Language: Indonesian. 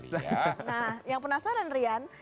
nah yang penasaran rian